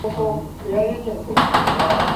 The participants competed for four gold medals.